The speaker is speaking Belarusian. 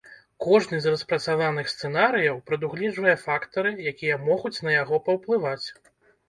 Кожны з распрацаваных сцэнарыяў прадугледжвае фактары, якія могуць на яго паўплываць.